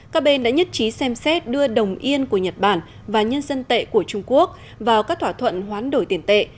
các bên đã nhất trí xem xét đưa đồng yên của nhật bản và nhân dân tệ của trung quốc vào các thỏa thuận hoán đổi tiền tệ